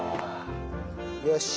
よし。